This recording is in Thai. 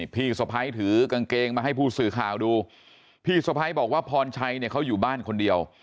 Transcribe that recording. พี่สะพ้ายถือกางเกงมาให้ผู้สื่อข่าวดูพี่สะพ้ายบอกว่าพรชัยเนี่ยเขาอยู่บ้านคนเดียว